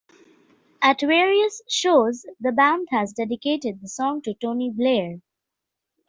At various shows, the band has dedicated the song to Tony Blair.